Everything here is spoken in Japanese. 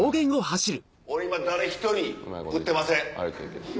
俺今誰１人撃ってません。